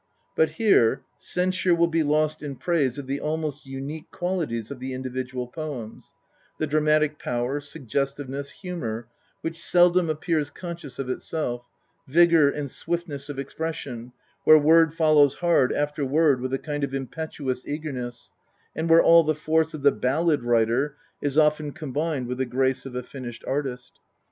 But here censure will be lost in praise of the almost unique qualities of the individual poems the dramatic power, suggestiveness, humour which seldom appears conscious of itself, vigour and swift ness of expression, where word follows hard after word with a kind of impetuous eagerness, and where all the force of the ballad writer is often combined with the grace of a finished artist.